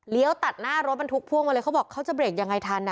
ตัดหน้ารถบรรทุกพ่วงมาเลยเขาบอกเขาจะเรกยังไงทัน